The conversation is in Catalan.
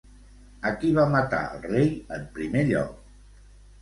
A qui va matar el rei en primer lloc?